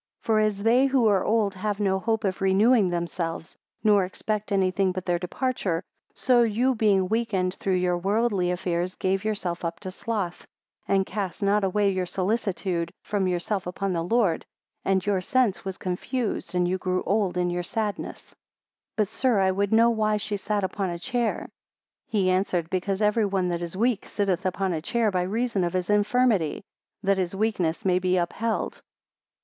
120 For as they who are old have no hope of renewing themselves, nor expect any thing but their departure; so you being weakened through your worldly affairs gave yourself up to sloth, and cast not away your solicitude from yourself upon the Lord: and your sense was confused, and you grew old in your sadness. 121 But, sir, I would know why she sat upon a chair? 122 He answered, because every one that is weak sitteth upon a chair by reason of his infirmity, that his weakness may be upheld.